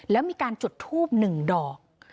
แล้วมีการจดทูบหนึ่งดอก